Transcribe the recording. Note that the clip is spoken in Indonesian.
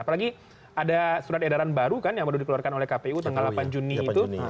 apalagi ada surat edaran baru kan yang baru dikeluarkan oleh kpu tanggal delapan juni itu